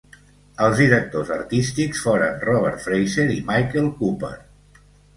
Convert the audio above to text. Els directors artístics foren Robert Fraser i Michael Cooper.